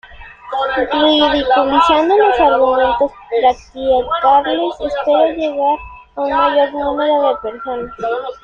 Ridiculizando los argumentos patriarcales espera llegar a un mayor número de personas.